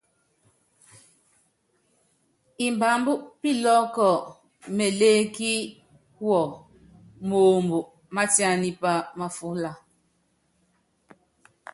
Imbámb Piloko mélékí wɔ́ moomb mátíánípá máfúla.